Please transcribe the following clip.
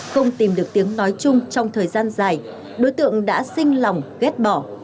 không tìm được tiếng nói chung trong thời gian dài đối tượng đã xinh lòng ghét bỏ